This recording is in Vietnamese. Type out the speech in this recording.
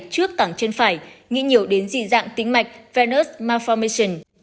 trước cẳng chân phải nghĩ nhiều đến dị dạng tính mạch venous malformation